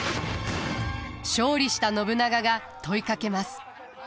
勝利した信長が問いかけます。